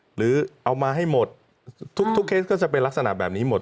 หรือเอามาให้หมดทุกเคสก็จะเป็นลักษณะแบบนี้หมด